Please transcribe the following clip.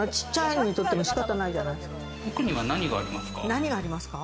何がありますか？